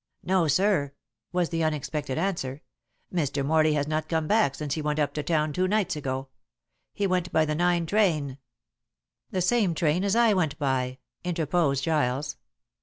"No, sir," was the unexpected answer. "Mr. Morley has not come back since he went up to town two nights ago. He went by the nine train." "The same train as I went by," interposed Giles.